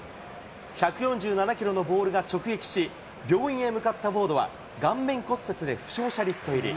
１４７キロのボールが直撃し、病院へ向かったウォードは顔面骨折で負傷者リスト入り。